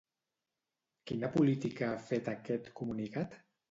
Quina política ha fet aquest comunicat?